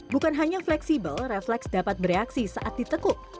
bukan hanya fleksibel refleks dapat bereaksi saat ditekuk